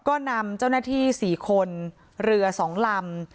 ก็นำเจ้าหน้าที่สี่คนเหลือสองลำ